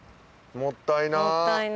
もったいない。